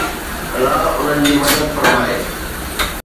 الله انهن جي مدد فرمائي